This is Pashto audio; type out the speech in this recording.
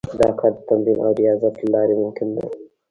دا کار د تمرین او ریاضت له لارې ممکن دی